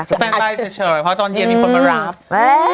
สเต็นไบน์เฉยเพราะว่าตอนเย็นมีคนมารับ